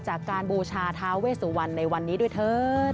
จากการบูชาท้าเวสุวรรณในวันนี้ด้วยเถิด